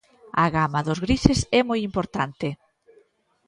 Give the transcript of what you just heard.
A gama dos grises é moi importante.